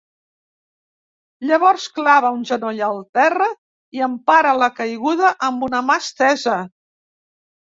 Llavors clava un genoll al terra i empara la caiguda amb una mà estesa.